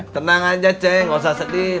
tenang aja ceng gak usah sedih